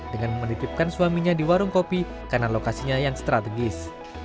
dengan menitipkan suaminya di warung kopi karena lokasinya yang strategis